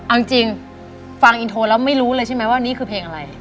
เอาจริงฟังอินโทรแล้วไม่รู้เลยใช่ไหมว่านี่คือเพลงอะไร